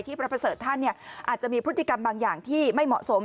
พระประเสริฐท่านอาจจะมีพฤติกรรมบางอย่างที่ไม่เหมาะสม